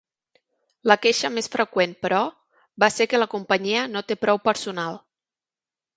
La queixa més freqüent, però, va ser que la companyia no té prou personal.